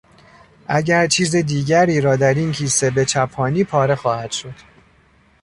اگر چیز دیگری را در این کیسه بچپانی پاره خواهد شد.